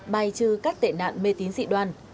bài trừ các tệ nạn mê tín dị đoan